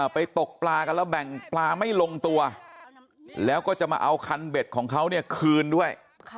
ตกปลากันแล้วแบ่งปลาไม่ลงตัวแล้วก็จะมาเอาคันเบ็ดของเขาเนี่ยคืนด้วย